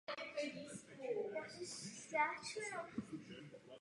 Od dokončení byla dálnice předmětem dvou větších stavebních úprav.